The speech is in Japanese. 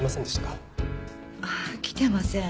ああ来てません。